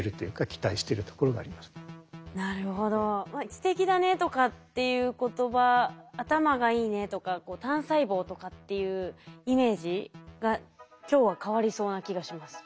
「知的だね」とかっていう言葉「頭がいいね」とか「単細胞」とかっていうイメージが今日は変わりそうな気がします。